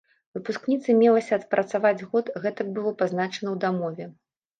Выпускніца мелася адпрацаваць год, гэтак было пазначана ў дамове.